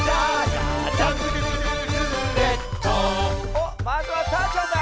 おっまずはたーちゃんだ。